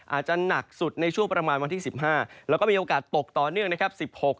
อาจจะหนักสุดในช่วงประมาณวันที่๑๕แล้วก็มีโอกาสตกต่อเนื่องนะครับ